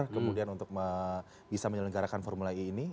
kemudian untuk bisa menyelenggarakan formula e ini